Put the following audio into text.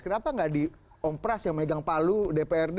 kenapa tidak di om pras yang memegang palu dprd